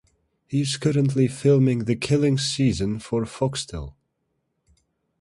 He is currently filming The Killing Season for Foxtel.